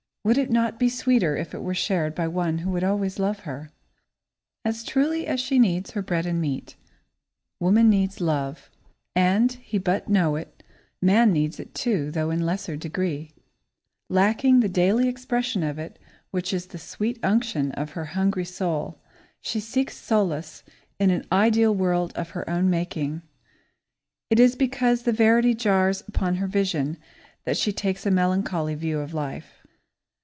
Would it not be sweeter if it were shared by one who would always love her? As truly as she needs her bread and meat, woman needs love, and, did he but know it, man needs it too, though in lesser degree. [Sidenote: The Verity and the Vision] Lacking the daily expression of it which is the sweet unction of her hungry soul, she seeks solace in an ideal world of her own making. It is because the verity jars upon her vision that she takes a melancholy view of life.